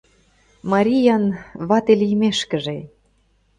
Мариян вате лиймешкыже